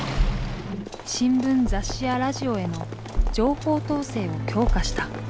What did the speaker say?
新聞雑誌やラジオへの情報統制を強化した。